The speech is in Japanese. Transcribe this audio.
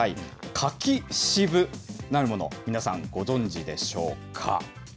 柿渋なるもの、皆さん、ご存じでしょうか。